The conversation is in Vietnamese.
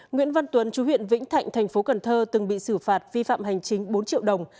nguyễn văn tuấn chú huyện vĩnh thạnh thành phố cần thơ từng bị xử phạt vi phạm hành chính bốn triệu đồng